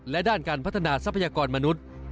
และด้านการพัฒนาทรัพยากรมนุษย์